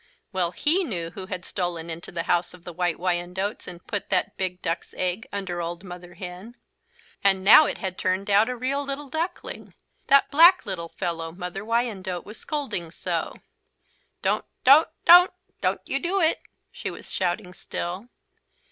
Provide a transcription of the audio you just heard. Well he knew who had stolen into the House of the White Wyandottes and put that big duck's egg under Old Mother Hen. And now it had turned out a real little duckling, that black little fellow Mother Wyandotte was scolding so. "Don't don't don't don't you do it," she was shouting still.